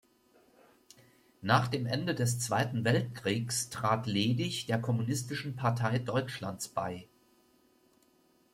Nach dem Ende des Zweiten Weltkriegs trat Ledig der Kommunistischen Partei Deutschlands bei.